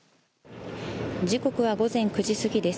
時刻は午前９時すぎです。